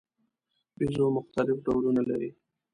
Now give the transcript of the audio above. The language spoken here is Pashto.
بیزو مختلف ډولونه لري.